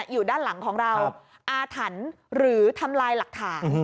อยู่ด้านหลังของเราอาถรรพ์หรือทำลายหลักฐาน